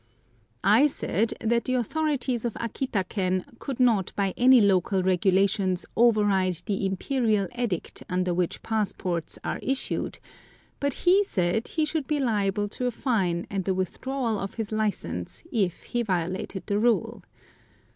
I said that the authorities of Akita ken could not by any local regulations override the Imperial edict under which passports are issued; but he said he should be liable to a fine and the withdrawal of his license if he violated the rule.